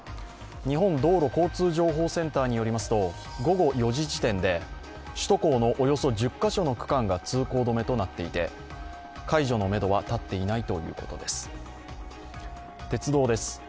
日本道路交通情報センターによりますと午後４時時点で首都高のおよそ１０カ所の区間が通行止めとなっていて、解除のめどは立っていないということです。